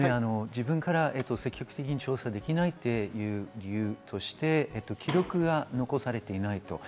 自分から積極的に調査できないという理由として、記録が残されていないと。